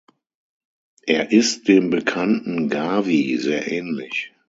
Er ist dem bekannten Gavi sehr ähnlich.